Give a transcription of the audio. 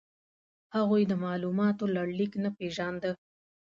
هغوی د مالوماتو لړلیک نه پېژانده.